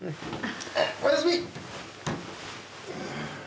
おやすみ。